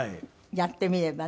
やってみればね。